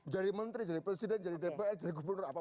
jadi menteri jadi presiden jadi dpr jadi gubernur apapun